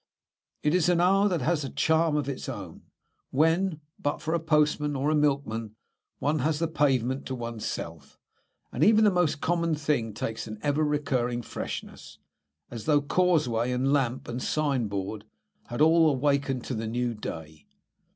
It is an hour that has a charm of its own, when, but for a postman or a milkman, one has the pavement to oneself, and even the most common thing takes an ever recurring freshness, as though causeway, and lamp, and signboard had all wakened to the new day.